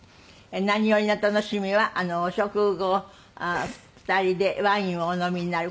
何よりの楽しみはあのお食後２人でワインをお飲みになる事だそうですけど。